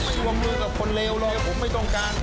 รวมมือกับคนเลวเลยผมไม่ต้องการ